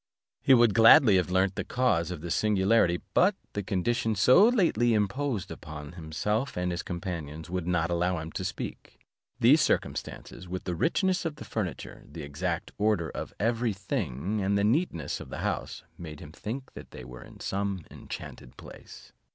He would gladly have learnt the cause of this singularity; but the conditions so lately imposed upon himself and his companions would not allow him to speak. These circumstances, with the richness of the furniture, the exact order of every thing, and the neatness of the house, made him think they were in some enchanted place.